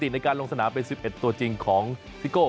ในการลงสนามเป็น๑๑ตัวจริงของซิโก้